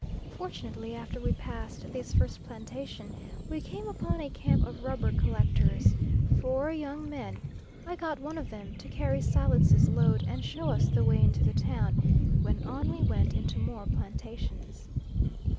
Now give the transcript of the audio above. Fortunately, after we passed this first plantation, we came upon a camp of rubber collectors four young men; I got one of them to carry Silence's load and show us the way into the town, when on we went into more plantations.